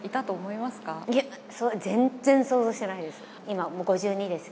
いや、全然想像してないです。